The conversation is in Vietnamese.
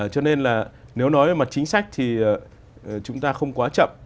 cho nên là nếu nói về mặt chính sách thì chúng ta không quá chậm